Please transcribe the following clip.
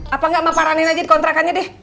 apa enggak mak parahin aja kontrakannya deh